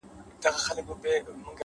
د حقیقت لټون ذهن بیدار ساتي،